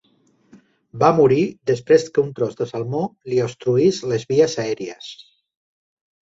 Va morir després que un tros de salmó li obstruís les vies aèries.